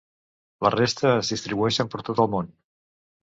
La resta es distribueixen per tot el món.